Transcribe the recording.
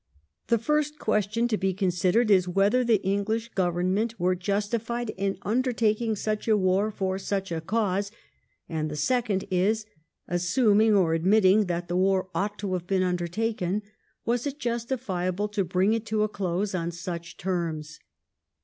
The first question to be considered is whether the English Government were justified in undertaking such a war for such a cause ; and the second is, assuming or admitting that the war ought to have been under taken, was it justifiable to bring it to a close on such terms